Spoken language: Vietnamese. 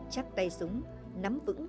chắc tay súng nắm vững